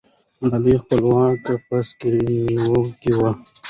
د ملالۍ خپلوان په سینګران کې وو.